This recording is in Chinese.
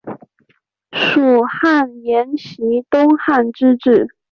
蜀汉沿袭东汉之制。